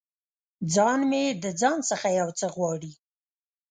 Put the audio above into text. ځان مې د ځان څخه یو څه غواړي